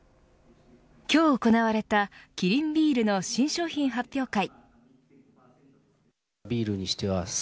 今日行われたキリンビールの新商品発表会。